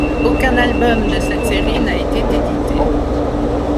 Aucun album de cette série n'a été édité.